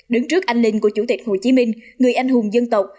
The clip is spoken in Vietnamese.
đứng trước anh linh của chủ tịch hồ chí minh người anh hùng dân tộc